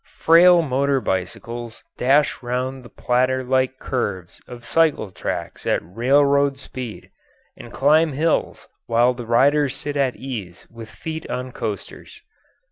Frail motor bicycles dash round the platter like curves of cycle tracks at railroad speed, and climb hills while the riders sit at ease with feet on coasters.